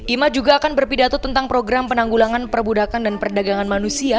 ima juga akan berpidato tentang program penanggulangan perbudakan dan perdagangan manusia